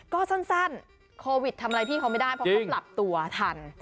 ก็สั้นโควิดทำอะไรพี่เขาไม่ได้เพราะเขาปรับตัวทัน